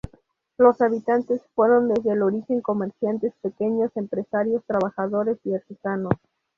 Los habitantes fueron desde el origen comerciantes, pequeños empresarios, trabajadores y artesanos.